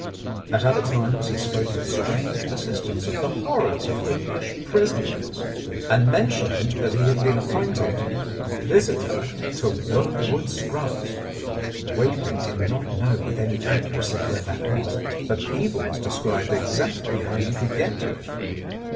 At other times he spoke with strange persistence of the horrors of English prisons, and mentioned that he had been appointed 62 The Blackmailer of Park Lane visitor to Wormwood Scrubs. Whately did not know with any accuracy where that was, but Peebles described exactly how you could get to it.